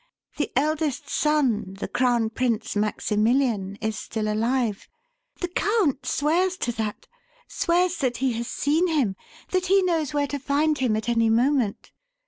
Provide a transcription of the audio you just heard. The eldest son the Crown Prince Maximilian is still alive. The count swears to that; swears that he has seen him; that he knows where to find him at any moment.